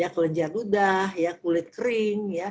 kelenjar ludah kulit kering